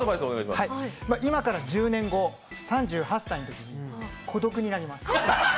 今から１０年後、３８歳のとき、孤独になります。